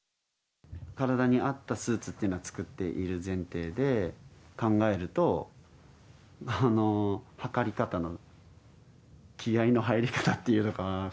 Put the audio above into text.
体に合ったスーツっていうのは作っている前提で考えると、計り方の気合いの入り方っていうのかな。